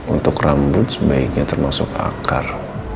untuk rambut sebaiknya termasuk akar